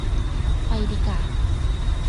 ไปดีก่า